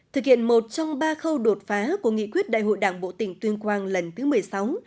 thực hiện một trong ba khâu đột phá của nghị quyết đại hội đảng bộ tỉnh tuyên quang lần thứ một mươi sáu